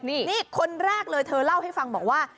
นี่คนแรกเลยเธอเล่าให้ฟังบอกว่า